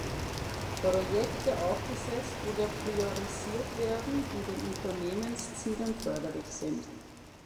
Projekte aufgesetzt oder priorisiert werden, die den Unternehmenszielen förderlich sind.